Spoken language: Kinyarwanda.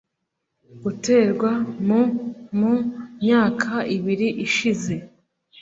guterwa mu mu myaka ibiri ishize